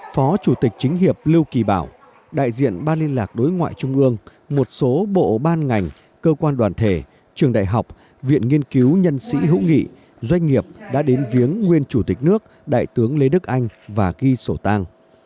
phó chủ tịch chính hiệp lưu kỳ bảo đại diện ban liên lạc đối ngoại trung ương một số bộ ban ngành cơ quan đoàn thể trường đại học viện nghiên cứu nhân sĩ hữu nghị doanh nghiệp đã đến viếng nguyên chủ tịch nước đại tướng lê đức anh và ghi sổ tang